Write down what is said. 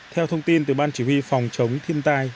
theo thông tin từ ban chỉ huy phòng chống thiên tai